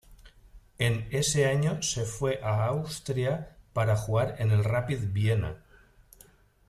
En ese año se fue a Austria para jugar en el Rapid Viena.